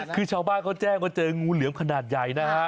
คือชาวบ้านเขาแจ้งว่าเจองูเหลือมขนาดใหญ่นะฮะ